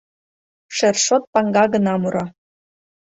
Шершот паҥга гына мура.